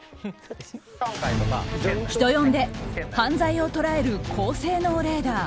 人呼んで犯罪者を捉える高性能レーダー